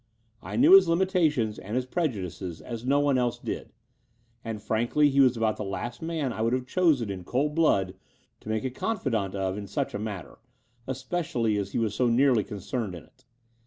I knew his limitations and his prejudices as no one else did ; and, frankly, he was about the last man I would have chosen in cold blood to make a confidant of in such a matter, especially as he was so nearly concerned in it.